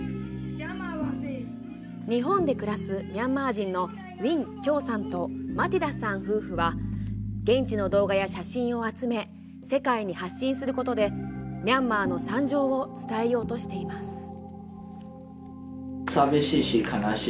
日本で暮らすミャンマー人のウィン・チョウさんとマティダさん夫婦は現地の動画や写真を集め世界に発信することでミャンマーの惨状を伝えようとしています。